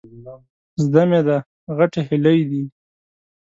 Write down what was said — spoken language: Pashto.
زده مې ده، غټې هيلۍ دي.